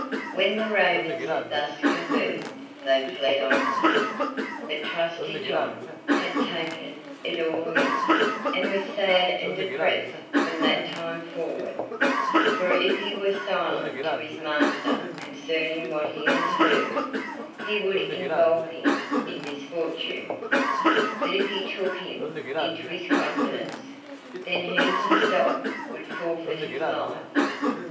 When the ravens had thus conversed they fled onward, but Trusty John had taken it all in, and was sad and depressed from that time forward; for if he were silent to his master concerning what he had heard, he would involve him in misfortune; but if he took him into his confidence, then he himself would forfeit his life.